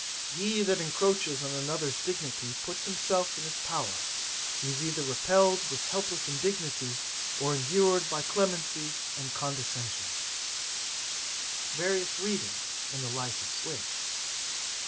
He that encroaches on another's dignity puts himself in his power; he is either repelled with helpless indignity, or endured by clemency and condescension.' Various Readings in the Life of Swift.